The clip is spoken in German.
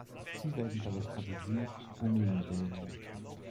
Sie werden bei die Strategie "bummeln" wählen.